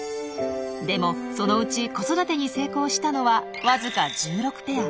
でもそのうち子育てに成功したのはわずか１６ペア。